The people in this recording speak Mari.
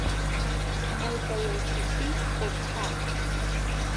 — Мый тыйым, чӱчӱ, кочкам...